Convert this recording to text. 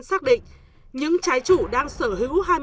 đã xác định những trái chủ đang sở hữu